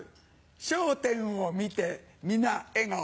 『笑点』を見て皆笑顔。